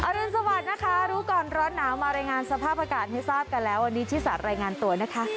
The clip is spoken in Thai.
รุนสวัสดิ์นะคะรู้ก่อนร้อนหนาวมารายงานสภาพอากาศให้ทราบกันแล้ววันนี้ที่สารรายงานตัวนะคะ